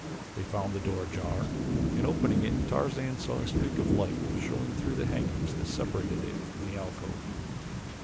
They found the door ajar and opening it Tarzan saw a streak of light showing through the hangings that separated it from the alcove.